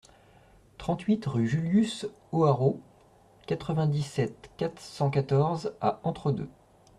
trente-huit rue Julius Hoarau, quatre-vingt-dix-sept, quatre cent quatorze à Entre-Deux